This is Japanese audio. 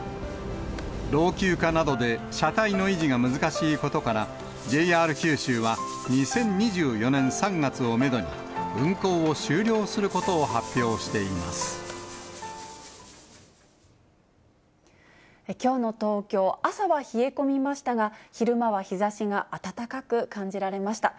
老朽化などで、車体の維持が難しいことから、ＪＲ九州は２０２４年３月をメドに、運行を終了することを発表しきょうの東京、朝は冷え込みましたが、昼間は日ざしが暖かく感じられました。